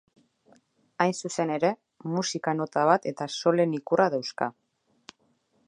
Hain zuzen ere, musika nota bat eta solen ikurra dauzka.